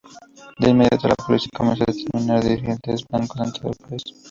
De inmediato la Policía comenzó a detener dirigentes blancos en todo el país.